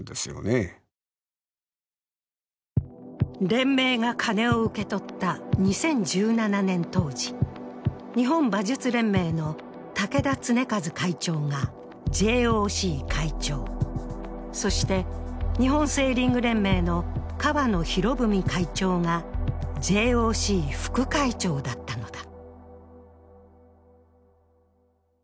連盟が金を受け取った２０１７年当時、日本馬術連盟の竹田恒和会長がＪＯＣ会長、そして日本セーリング連盟の河野博文会長がＪＯＣ副会長だったのだ。